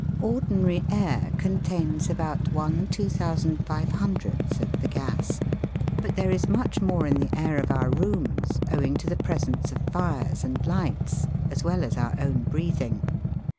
Ordinary air contains about ^ gVff of the gas, but there is much more in the air of our rooms, owing to the presence of fires and lights, as well as our own breathing.